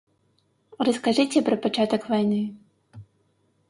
Раскажыце пра пачатак вайны.